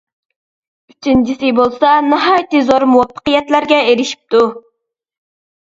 ئۈچىنچىسى بولسا ناھايىتى زور مۇۋەپپەقىيەتلەرگە ئېرىشىپتۇ.